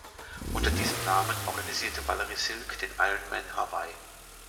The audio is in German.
Unter diesem Namen organisierte Valerie Silk den Ironman Hawaii.